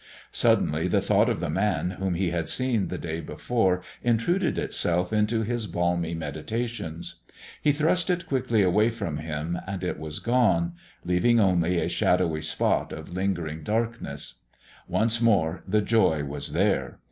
Suddenly the thought of the Man whom he had seen the day before intruded itself into his balmy meditations. He thrust it quickly away from him and it was gone, leaving only a shadowy spot of lingering darkness; once more the joy was there.